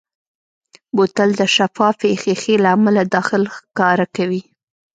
بوتل د شفافې ښیښې له امله داخل ښکاره کوي.